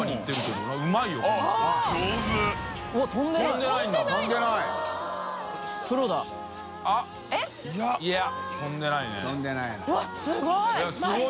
うわっすごい！